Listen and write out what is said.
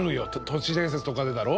都市伝説とかでだろ？